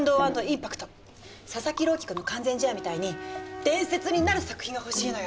佐々木朗希くんの完全試合みたいに伝説になる作品が欲しいのよ。